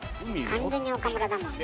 完全に岡村だもん。